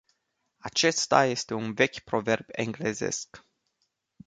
Acesta este un vechi proverb englezesc.